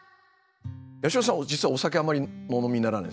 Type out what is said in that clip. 八代さん実はお酒あんまりお飲みにならないんですよね？